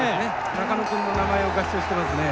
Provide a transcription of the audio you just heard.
中野君の名前を合唱してますね。